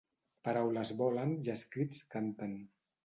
Paraules volen i escrits canten.